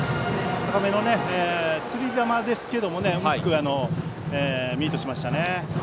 高めの、つり球ですけどよくミートしましたね。